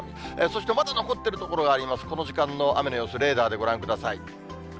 そしてまだ残っている所があります、この時間の雨の様子、レーダーでご覧ください。